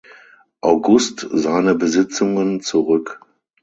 August seine Besitzungen zurück.